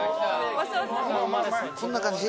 こんな感じ？